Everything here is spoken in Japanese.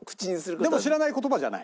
でも知らない言葉じゃない？